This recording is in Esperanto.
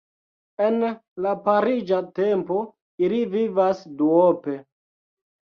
En la pariĝa tempo ili vivas duope.